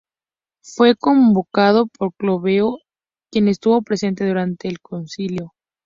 Fue convocado por Clodoveo I, quien estuvo presente durante el concilio.